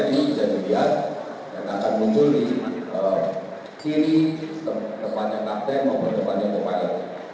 ini bisa dilihat yang akan muncul di kiri depannya naktem maupun depannya kepalem